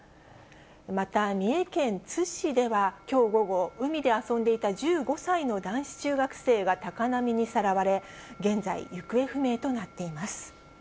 また、三重県津市ではきょう午後、海で遊んでいた１５歳の男子中学生が高波にさらわれ、現在、行方不明となっています。